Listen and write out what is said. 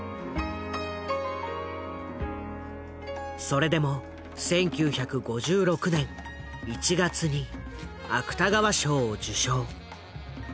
それでも１９５６年１月に芥川賞を受賞。